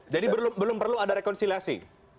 jadi belum perlu ada rekonsiliasi